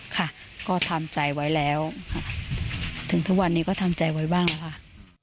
ค่ะก็ทำใจไว้แล้วค่ะถึงทุกวันนี้ก็ทำใจไว้บ้างแล้วค่ะ